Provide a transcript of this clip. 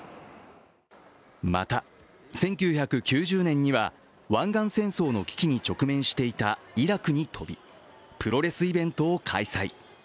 また、１９９０年には湾岸戦争に危機に直面していたイラクに飛び、プロレスイベントを開催。